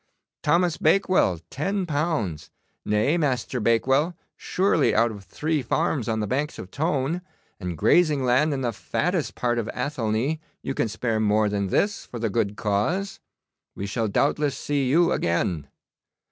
Thomas Bakewell, ten pounds. Nay, Master Bakewell, surely out of three farms on the banks of Tone, and grazing land in the fattest part of Athelney, you can spare more than this for the good cause. We shall doubtless see you again.